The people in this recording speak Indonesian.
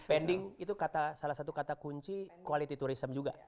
spending itu salah satu kata kunci quality tourism juga